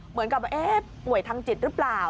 เหมือนกับเอ๊ะป่วยทางจิตรึเปล่า